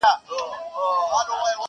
o پر گازره نه يم، پر خرپ ئې ېم.